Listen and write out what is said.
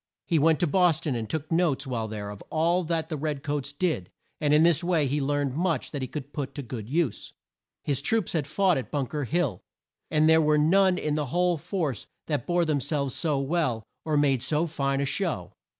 He went to Bos ton, and took notes while there of all that the red coats did, and in this way learned much that he could put to good use. His troops had fought at Bunk er Hill, and there were none in the whole force that bore them selves so well, or made so fine a show.